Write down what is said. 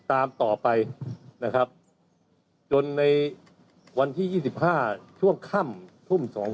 ตามต่อไปนะครับจนในวันที่๒๕ช่วงค่ำทุ่มสอง